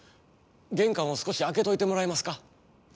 げんかんを少しあけといてもらえますか？